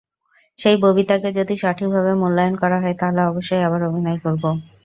সেই ববিতাকে যদি সঠিকভাবে মূল্যায়ন করা হয়, তাহলে অবশ্যই আবার অভিনয় করব।